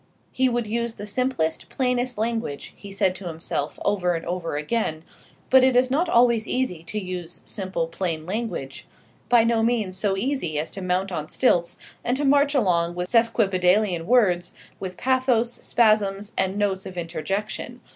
He would use the simplest, plainest language, he said to himself over and over again; but it is not always easy to use simple, plain language, by no means so easy as to mount on stilts, and to march along with sesquipedalian words, with pathos, spasms, and notes of interjection.